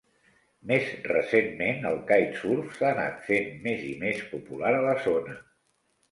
Més recentment el kitesurf s'ha anat fent més i més popular a la zona.